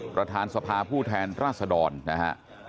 ประธานสภาผู้แทนราษดรนะฮะ